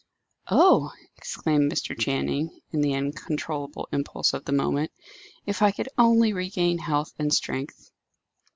"Oh!" exclaimed Mr. Channing, in the uncontrollable impulse of the moment, "if I could only regain health and strength!"